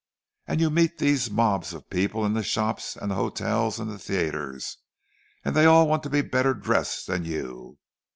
And you meet these mobs of people in the shops and the hotels and the theatres, and they all want to be better dressed than you.